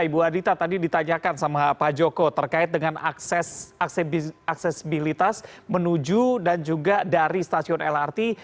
ibu adita tadi ditanyakan sama pak joko terkait dengan aksesibilitas menuju dan juga dari stasiun lrt